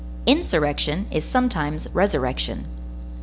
Insurrection is sometimes resurrection.